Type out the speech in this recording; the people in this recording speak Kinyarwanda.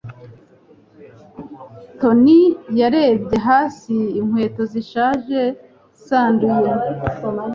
Tony yarebye hasi inkweto zishaje zanduye.